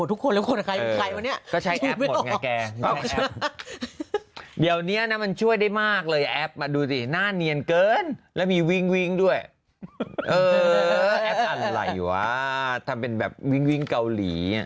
แม่เด็กหมดทุกคนเลยคนใคร